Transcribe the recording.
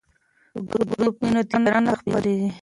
که ګروپ وي نو تیاره نه خپریږي.